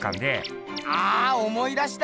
あ思い出した！